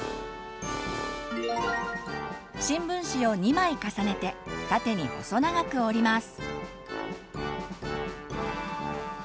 新聞紙を２枚重ねて縦に細長く折ります。